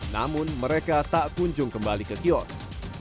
namun mereka tak kunjung kembali ke kios